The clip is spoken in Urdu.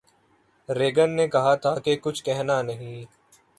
ریگن نے کہا تھا کہ کچھ کہنا نہیں